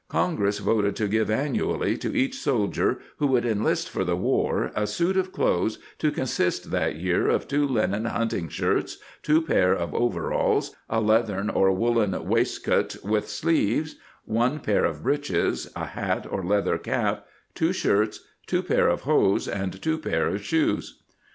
^ In October, 1776, Congress voted to give annually to each soldier who would enlist for the war a suit of cloths, to consist that year of two linen hunting shirts, two pair of overalls, a leathern or woollen waistcoat with sleeves, one pair of breeches, a hat or leather cap, two shirts, two pair of hose, and two pair of shoes.